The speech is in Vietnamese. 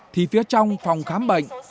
thì phía trong phòng khám bệnh